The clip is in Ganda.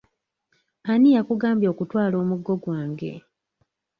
Ani eyakugambye okutwala omuggo gwange?